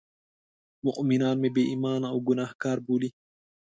مومنان مې بې ایمانه او ګناه کار بولي.